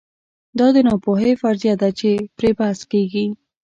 دا د ناپوهۍ فرضیه ده چې پرې بحث کېږي.